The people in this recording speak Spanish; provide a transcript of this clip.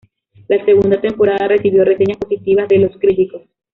La segunda temporada recibió reseñas positivas de los críticos.